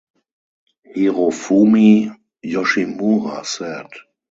Hirofumi Yoshimura said.